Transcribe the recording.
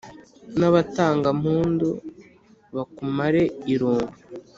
n’abatangampundu bakumare irungu